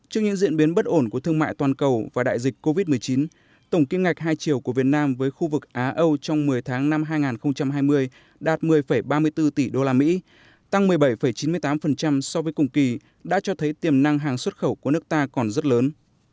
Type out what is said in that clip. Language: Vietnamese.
trước những diễn biến bất ổn của thương mại toàn cầu và đại dịch covid một mươi chín tổng kim ngạch hai triệu của việt nam với khu vực á âu trong một mươi tháng năm hai nghìn hai mươi đạt một mươi ba mươi bốn tỷ usd tăng một mươi bảy chín mươi tám so với cùng kỳ đã cho thấy tiềm năng hàng xuất khẩu của nước ta còn rất lớn